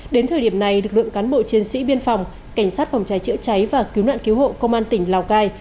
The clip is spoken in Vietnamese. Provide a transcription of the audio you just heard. đến thời điểm này lực lượng cán bộ chiến sĩ biên phòng cảnh sát phòng cháy chữa cháy và cứu nạn cứu hộ công an tỉnh lào cai